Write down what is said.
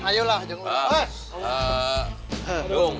ayolah jangan urang